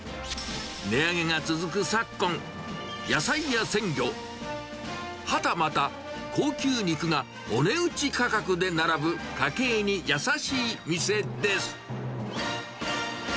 値上げが続く昨今、野菜や鮮魚、はたまた高級肉がお値打ち価格で並ぶ家計に優しい店です。